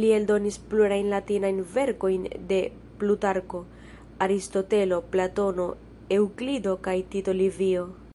Li eldonis plurajn latinajn verkojn de Plutarko, Aristotelo, Platono, Eŭklido kaj Tito Livio.